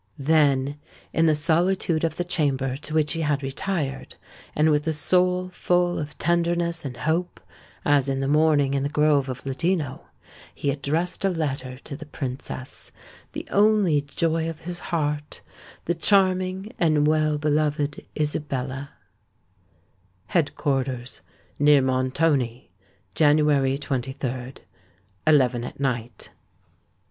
Then, in the solitude of the chamber to which he had retired, and with a soul full of tenderness and hope, as in the morning in the grove of Legino,—he addressed a letter to the Princess—the only joy of his heart, the charming and well beloved Isabella:— Head Quarters, near Montoni, Jan. 23. Eleven at night.